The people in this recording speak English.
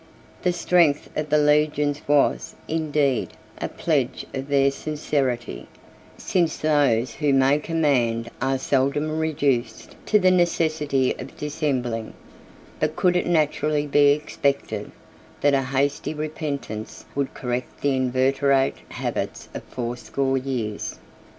The strength of the legions was, indeed, a pledge of their sincerity, since those who may command are seldom reduced to the necessity of dissembling; but could it naturally be expected, that a hasty repentance would correct the inveterate habits of fourscore years?